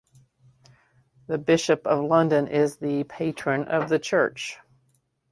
The Bishop of London is the patron of the church.